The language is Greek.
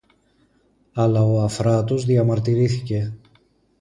Αλλά ο Αφράτος διαμαρτυρήθηκε: